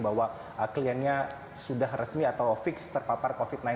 bahwa kliennya sudah resmi atau fix terpapar covid sembilan belas